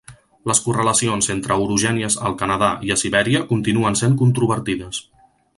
Les correlacions entre orogènies al Canadà i a Sibèria continuen sent controvertides.